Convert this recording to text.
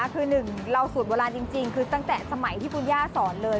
คือหนึ่งเราสูตรโบราณจริงคือตั้งแต่สมัยที่คุณย่าสอนเลย